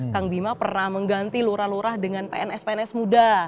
kang bima pernah mengganti lurah lurah dengan pns pns muda